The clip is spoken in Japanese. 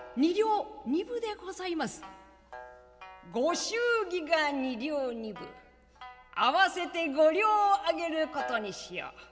「ご祝儀が２両２分合わせて５両あげることにしよう。